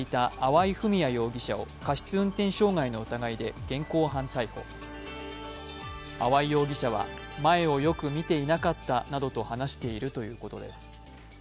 粟井容疑者は、前をよく見ていなかったなどと話しているということです。